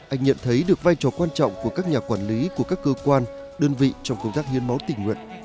anh nhận thấy được vai trò quan trọng của các nhà quản lý của các cơ quan đơn vị trong công tác hiến máu tình nguyện